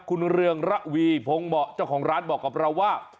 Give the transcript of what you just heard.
คุณเรืองระวีพงเหมาะเจ้าของร้านบอกกับเราว่า